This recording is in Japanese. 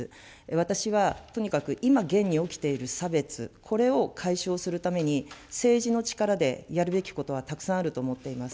私はとにかく、今、現に起きている差別、これを解消するために、政治の力でやるべきことはたくさんあると思っています。